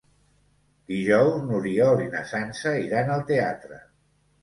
Dijous n'Oriol i na Sança iran al teatre.